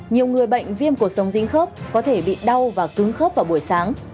nhiều người bệnh viêm cột sống dính khớp có thể bị đau và cứng khớp vào buổi sáng